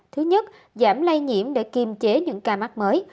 thứ nhất giảm lây nhiễm để kiềm chế những ca mắc mới